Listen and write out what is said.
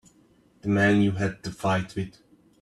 The man you had the fight with.